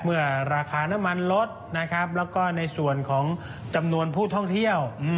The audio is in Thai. เมื่อราคาน้ำมันลดนะครับแล้วก็ในส่วนของจำนวนผู้ท่องเที่ยว